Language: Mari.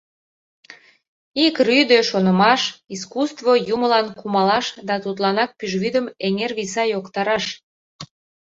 Ик рӱдӧ шонымаш — искусство Юмылан кумалаш да тудланак пӱжвӱдым эҥер виса йоктараш.